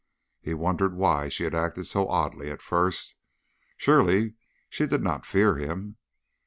He wondered why she had acted so oddly at first; surely she did not fear him.